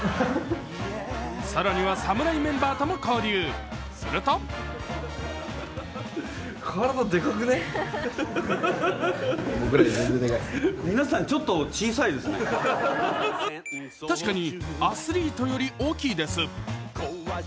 更には侍メンバーとも交流すると確かにアスリートより大きいです。